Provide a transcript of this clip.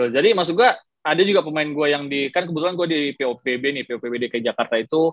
jadi maksud gue ada juga pemain gue yang di kan kebetulan gue di popb nih popb dki jakarta itu